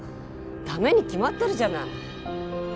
駄目に決まってるじゃない。